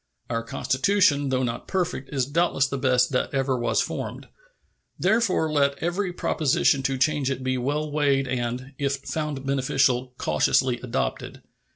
Our Constitution, though not perfect, is doubtless the best that ever was formed. Therefore let every proposition to change it be well weighed and, if found beneficial, cautiously adopted.